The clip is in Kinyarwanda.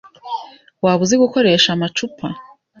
Waba uzi gukoresha amacupa?